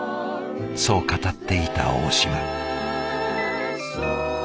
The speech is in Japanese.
そう語っていた大島。